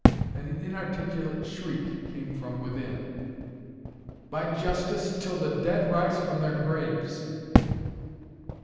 An inarticulate shriek came from within. "By justice till the dead rise from their graves."